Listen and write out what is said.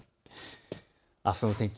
あすの天気